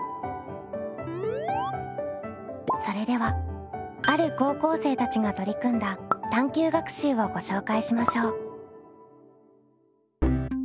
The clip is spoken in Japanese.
それではある高校生たちが取り組んだ探究学習をご紹介しましょう。